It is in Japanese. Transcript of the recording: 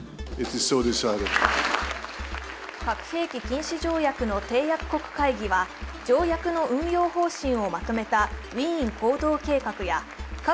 核兵器禁止条約の締約国会議は、条約の運用方針をまとめたウィーン行動計画などを採択し核